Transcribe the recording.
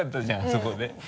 そこで。